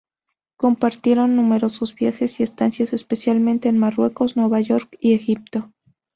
Compartieron numerosos viajes y estancias, especialmente en Marruecos, Nueva York y Egipto.